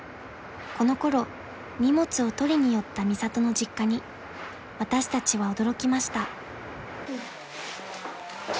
［このころ荷物を取りに寄ったミサトの実家に私たちは驚きました］